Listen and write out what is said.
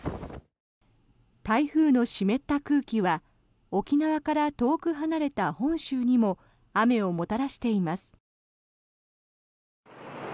台風の湿った空気は沖縄から遠く離れた本州にも雨をもたらしています。